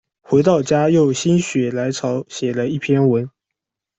回到家又心血来潮写了一篇文